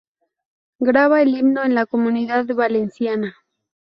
Graba el Himno de la Comunidad Valenciana.